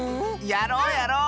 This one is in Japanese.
やろうやろう！